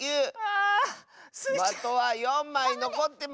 まとは４まいのこってます。